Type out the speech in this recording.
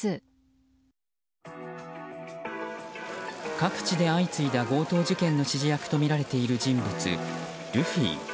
各地で相次いだ強盗事件の指示役とみられる人物、ルフィ。